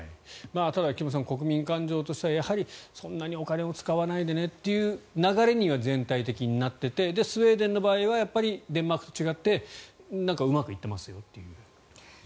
ただ、菊間さん国民感情としてはやはり、そんなにお金を使わないでねという流れには全体的になっていてスウェーデンの場合はデンマークと違ってなんかうまくいっていますよと。